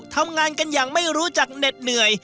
ทำงานกันอย่างไม่รู้จักเหน็ดเหนื่อย